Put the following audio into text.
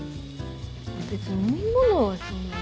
別に飲み物はそんなに。